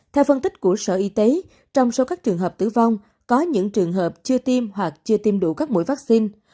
theo phân tích của sở y tế trong số các trường hợp tử vong có những trường hợp chưa tiêm hoặc chưa tiêm đủ các mũi vaccine